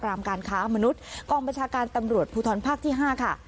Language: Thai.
รามการค้ามนุษย์กองบัญชาการตำรวจภูทรภาคที่๕ค่ะ